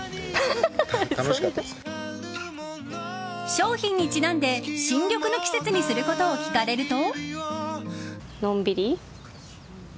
商品にちなんで新緑の季節にすることを聞かれると。